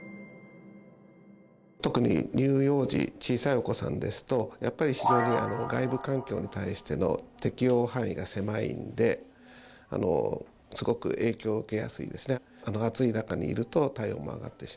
特に乳幼児小さいお子さんですとやっぱり非常に外部環境に対しての適応範囲が狭いんですごく影響を受けやすいんですね。